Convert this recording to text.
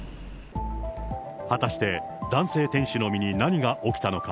果たして男性店主の身に何が起きたのか。